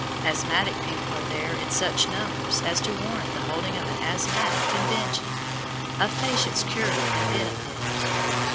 Asthmatic people are there in such numbers as to warrant the holding of an "asthmatic convention" of patients cured and benefited.